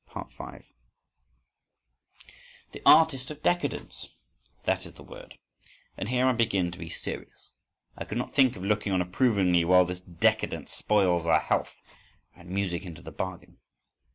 — 5. The artist of decadence. That is the word. And here I begin to be serious. I could not think of looking on approvingly while this décadent spoils our health—and music into the bargain.